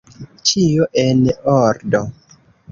Ĉio, en ordo.